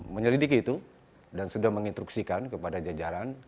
menyelidiki itu dan sudah menginstruksikan kepada jajaran